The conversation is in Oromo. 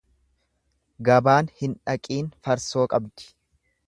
Gabaan hin dhaqiin farsoo qabdi.